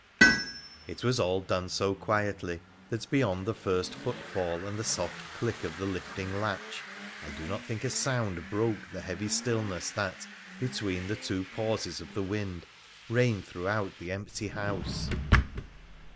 It was all done so quietly that, beyond the first footfall and the soft click of the lifting latch, I do not think a sound broke the heavy stillness that, between two pauses of the wind, reigned throughout the empty house.